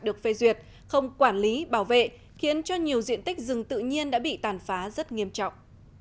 được phê duyệt không quản lý bảo vệ khiến cho nhiều diện tích rừng tự nhiên đã bị tàn phá rất nghiêm trọng